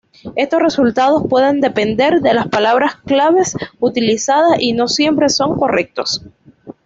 Estos resultados pueden depender de las palabras clave utilizadas y no siempre son correctos.